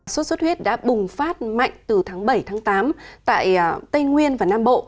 sốt xuất huyết đã bùng phát mạnh từ tháng bảy tám tại tây nguyên và nam bộ